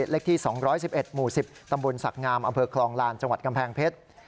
เลขที่๒๑๑หมู่๑๐ตำบลศักดิ์งามอำเภอคลองลานจังหวัดกำแพงเพชร